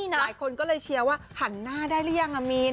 หลายคนก็เลยเชียร์ว่าหันหน้าได้หรือยังมีน